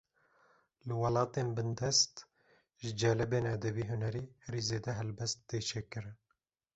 Li welatên bindest, ji celebên edebî-hunerî herî zêde helbest tê çêkirin